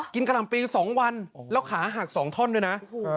กะหล่ำปี๒วันแล้วขาหัก๒ท่อนด้วยนะ